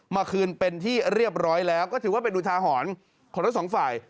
มาคืนเป็นที่เรียบร้อยแล้วก็ถือว่าเป็นอุทาหรณ์ของทั้งสองฝ่าย